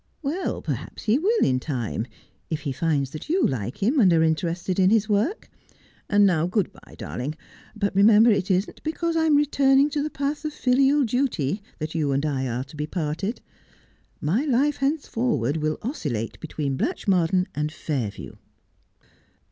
' Well, perhaps he will in time, if he finds that you like him and are interested in his work. And now good bye, darling ; but remember it isn't because I am returning to the path of filial duty that you and I are to be parted. My life henceforward will oscillate between Blatchmardean and Fairview.'